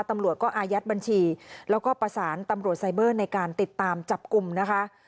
ตำรวจก็อายัดบัญชีแล้วก็ประสานตำรวจไซเบอร์ในการติดตามจับกลุ่มนะคะ